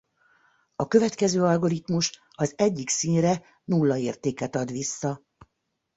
A következő algoritmus az egyik színre nulla értéket ad vissza.